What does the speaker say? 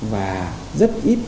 và rất ít